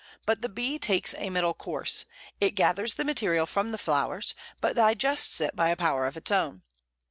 But the bee takes a middle course; it gathers the material from the flowers, but digests it by a power of its own....